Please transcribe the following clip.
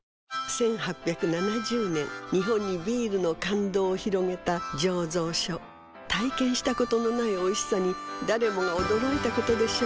１８７０年日本にビールの感動を広げた醸造所体験したことのないおいしさに誰もが驚いたことでしょう